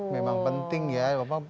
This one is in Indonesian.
memang penting ya